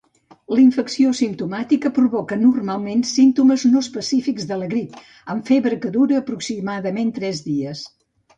La infecció simptomàtica provoca normalment símptomes no específics de la grip, amb febre que dura aproximadament tres dies.